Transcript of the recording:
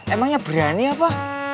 emangnya berani apa